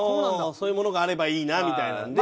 そういうものがあればいいなみたいなんで。